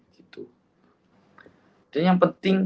jadi yang penting